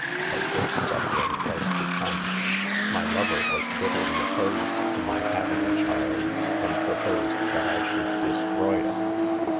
" 6 A worse suffering was to come. My lover was bitterly opposed to my having a child, and proposed that I should destroy it.